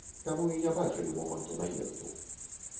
Таму і не бачылі моманту наезду.